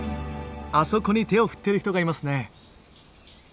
あそこに手を振っている人がいますね。